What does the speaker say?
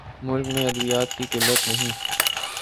ملک میں ادویات کی قلت نہیں